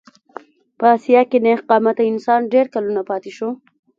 په اسیا کې نېغ قامته انسان ډېر کلونه پاتې شو.